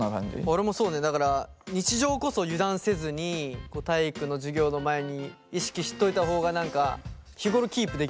俺もそうねだから日常こそ油断せずに体育の授業の前に意識しといた方が何か日頃キープできるしみたいな。